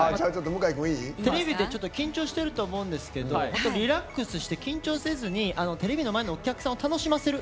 テレビで緊張してると思うんですけどもっとリラックスして緊張せずにテレビの前のお客さんを楽しませる。